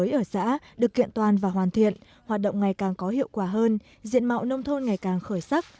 nông thôn mới ở xã được kiện toàn và hoàn thiện hoạt động ngày càng có hiệu quả hơn diện mạo nông thôn ngày càng khởi sắc